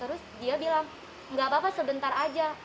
terus dia bilang nggak apa apa sebentar aja